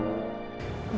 terima kasih pak untuk ini